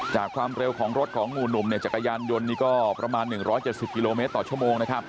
ความเร็วของรถของหมู่หนุ่มจักรยานยนต์นี่ก็ประมาณ๑๗๐กิโลเมตรต่อชั่วโมงนะครับ